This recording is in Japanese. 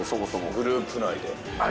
グループ内で。